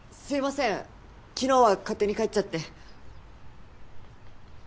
すみません昨日は勝手に帰っちゃって。